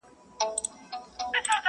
• له غزل غزل د میني له داستانه ښایسته یې,